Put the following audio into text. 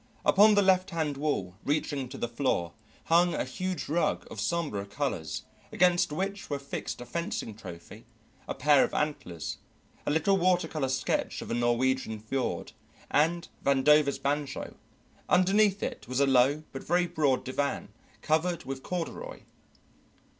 Upon the left hand wall, reaching to the floor, hung a huge rug of sombre colours against which were fixed a fencing trophy, a pair of antlers, a little water colour sketch of a Norwegian fjord, and Vandover's banjo; underneath it was a low but very broad divan covered with corduroy.